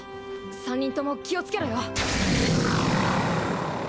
３人とも気をつけろよ。